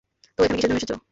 তো, এখানে কীসের জন্য এসেছো?